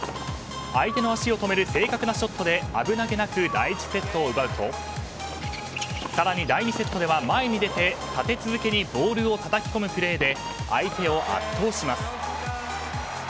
相手の足を止める正確なショットで危なげなく第１セットを奪うとさらに第２セットでは前に出て立て続けにボールをたたき込むプレーで相手を圧倒します。